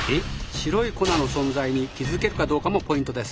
白い粉の存在に気付けるかどうかもポイントです。